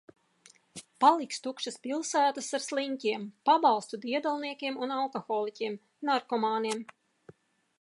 Paliks tukšas pilsētas ar sliņķiem, pabalstu diedelniekiem un alkoholiķiem, narkomāniem.